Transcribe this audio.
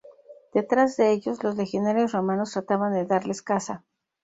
Detrás de ellos, los legionarios romanos trataban de darles caza.